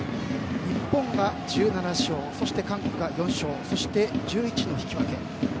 日本が１７勝そして韓国が４勝そして１１の引き分け。